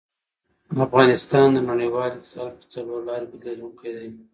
افغانستان د نړیوال اتصال په څلورلاري بدلېدونکی دی.